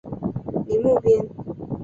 宁木边。